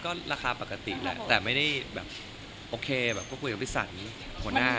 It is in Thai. ก็ราคาปกติแหละแต่ไม่ได้แบบโอเคแบบก็คุยกับพี่สันหัวหน้า